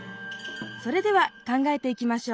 それでは考えていきましょう